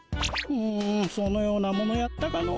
うんそのようなものやったかのう。